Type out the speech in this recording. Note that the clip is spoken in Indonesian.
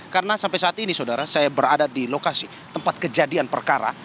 karena sampai saat ini saudara saya berada di lokasi tempat kejadian perkara